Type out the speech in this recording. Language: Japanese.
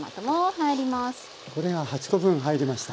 これが８コ分入りました。